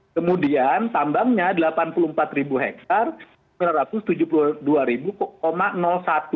kemudian tambangnya delapan puluh empat hektare lima ratus tujuh puluh dua satu